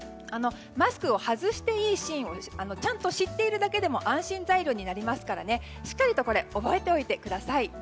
マスクを外していいシーンをちゃんと知ってるだけでも安心材料になりますからしっかり覚えておいてください。